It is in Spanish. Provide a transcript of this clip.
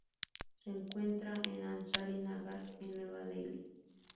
Se encuentra en Ansari Nagar, en Nueva Delhi.